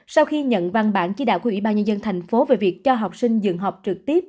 sau khi nhận văn bản chỉ đạo của ủy ban nhân dân thành phố về việc cho học sinh dừng học trực tiếp